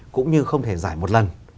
cũng như không thể giải một lần